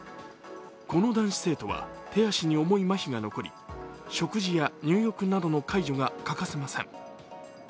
この男子生徒は、手足に重いまひが残り、食事や入浴などの介助が欠かせません。